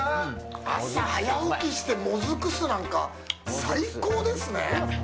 朝、早起きして、モズク酢なんか、最高ですね。